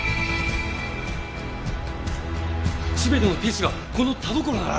全てのピースがこの田所なら当てはまるよ！